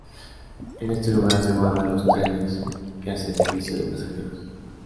En este lugar se guardan los trenes que hacen servicio de pasajeros.